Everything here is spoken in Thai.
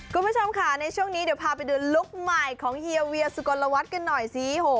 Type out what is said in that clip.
คุณผู้ชมค่ะในช่วงนี้เดี๋ยวพาไปดูลุคใหม่ของเฮียเวียสุกลวัฒน์กันหน่อยสิ